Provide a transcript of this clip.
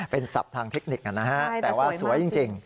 เป็นสัพทางเทคนิคแต่ว่าสวยจริง